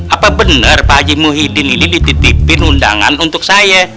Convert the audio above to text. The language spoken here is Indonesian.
apa benar pakji muhyiddin ini dititipin undangan untuk saya